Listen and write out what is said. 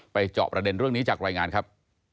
จอบประเด็นเรื่องนี้จากรายงานครับ